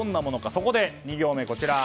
そこで２行目。